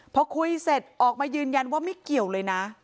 พอคุยเสร็จออกมายืนยันว่าไม่เกี่ยวเลยนะ